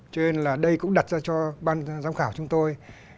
cho nên là đây cũng đặt ra cho ban giám khảo chúng tôi